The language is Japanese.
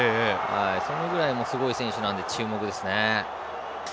そのぐらいすごい選手なので注目ですね。